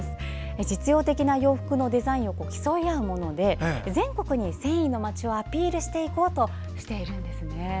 実用的な洋服のデザインを競い合うもので全国に繊維の街をアピールしていこうとしています。